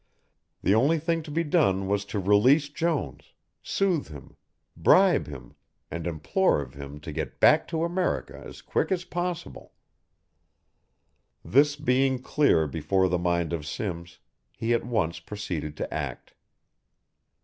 The only thing to be done was to release Jones, soothe him, bribe him and implore of him to get back to America as quick as possible. This being clear before the mind of Simms, he at once proceeded to act.